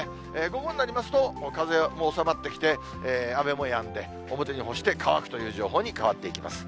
午後になりますと、風も収まってきて、雨もやんで、表に干して乾くという情報に変わっていきます。